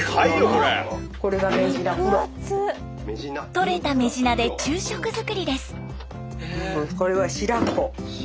とれたメジナで昼食作りです。